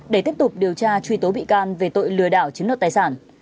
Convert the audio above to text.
để tiếp tục điều tra truy tố bị can về tội lừa đảo chiếm đoạt tài sản